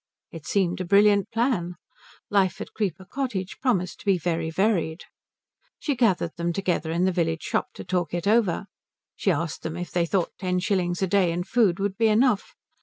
It seemed a brilliant plan. Life at Creeper Cottage promised to be very varied. She gathered them together in the village shop to talk it over. She asked them if they thought ten shillings a day and food would be enough.